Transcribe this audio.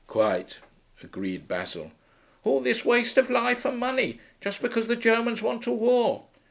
'Quite,' agreed Basil. 'All this waste of life and money just because the Germans want a war!